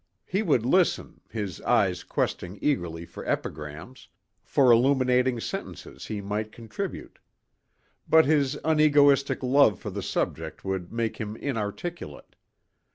He would listen, his eyes questing eagerly for epigrams, for illuminating sentences he might contribute. But his unegoistic love for the subject would make him inarticulate.